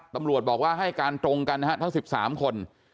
ตำรวจบอกว่าให้การตรงกันนะฮะทั้ง๑๓คน